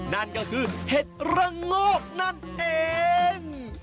นั่นก็คือเห็ดระโงกนั่นเอง